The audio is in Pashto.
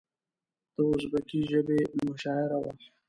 د ازبکي ژبې مشاعره وه.